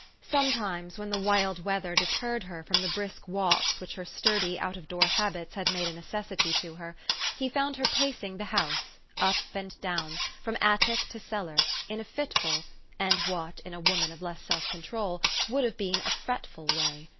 Sometimes, when the wild weather deterred her from the brisk walks which her sturdy, 272 THE STORY OF AVIS. out of door habits had made a necessity to her, he found her pacing the house, up and down, from attic to cellar, in a fitful, and what, in a woman of less self control, would have been a fretful way.